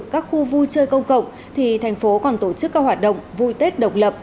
các khu vui chơi công cộng thì thành phố còn tổ chức các hoạt động vui tết độc lập